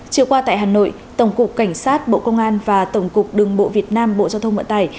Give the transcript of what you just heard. chiều qua tại hà nội tổng cục cảnh sát bộ công an và tổng cục đường bộ việt nam bộ giao thông vận tải